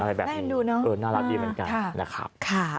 อะไรแบบนี้น่ารักดีเหมือนกันนะครับ